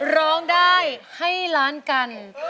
ร้องได้ไข่ล้างกัน